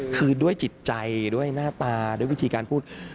คือด้วยจิตใจด้วยหน้าตาด้วยวิธีการพูด